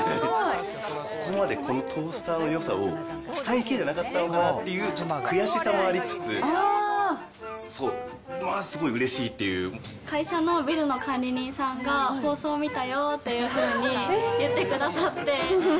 ここまでこのトースターのよさを伝えきれてなかったのかなっていうちょっと悔しさもありつつ、そう、まあすごいうれしいって会社のビルの管理人さんが、放送見たよっていうふうに言ってくださって。